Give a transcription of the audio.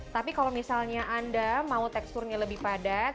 tapi kalau misalnya anda mau teksturnya lebih padat